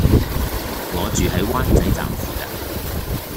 我住喺灣仔站附近